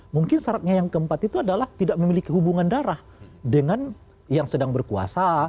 mungkin syaratnya yang keempat itu adalah tidak memiliki hubungan darah dengan yang sedang berkuasa